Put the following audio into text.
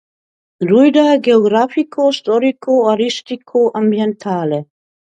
Guida geografico-storico-artistico-ambientale.